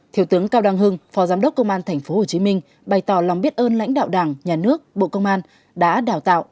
thiếu tướng cao đăng hưng phó giám đốc công an tp hcm bày tỏ lòng biết ơn lãnh đạo đảng nhà nước bộ công an đã đào tạo